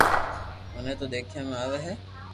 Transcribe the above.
منو تو ديکيا ۾ آوي ھي